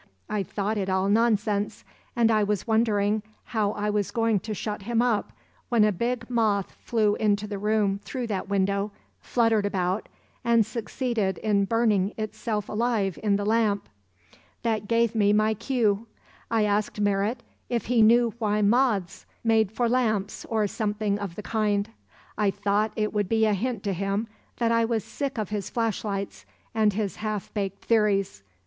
I thought it all nonsense, and I was wondering how I was going to shut him up when a big moth flew into the room through that window, fluttered about, and succeeded in burning itself alive in the lamp. That gave me my cue; I asked Merritt if he knew why moths made for lamps or something of the kind; I thought it would be a hint to him that I was sick of his flashlights and his half baked theories.